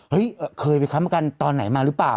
เคยไปค้ำประกันตอนไหนมาหรือเปล่า